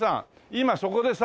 今そこでさ